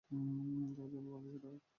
তার জন্ম বাংলাদেশের ঢাকায়।